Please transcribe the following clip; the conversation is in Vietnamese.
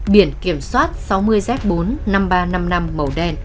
biển kiểm soát sáu mươi z bốn mươi năm nghìn ba trăm năm mươi năm màu đen